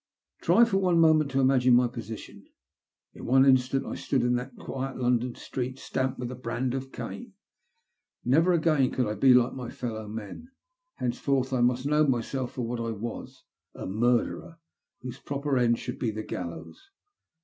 Try for one moment to imagine my position. In one instant I stood in that quiet London street, stamped with the brand of Cain. Never again could I be like my fellow men. Henceforth I must know myself for what I was — a murderer, whose proper end should be the gallows.